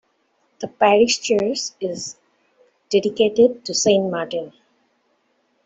The parish church is dedicated to Saint Martin.